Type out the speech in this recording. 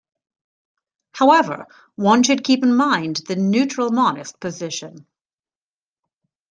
However, one should keep in mind the neutral monist position.